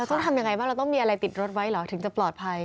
ต้องทำยังไงบ้างเราต้องมีอะไรติดรถไว้เหรอถึงจะปลอดภัย